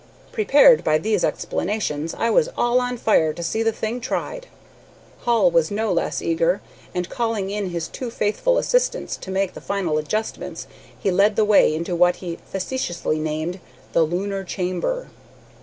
Prepared by these explanations I was all on fire to see the thing tried. Hall was no less eager, and, calling in his two faithful assistants to make the final adjustments, he led the way into what he facetiously named "the lunar chamber."